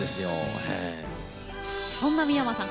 そんな三山さん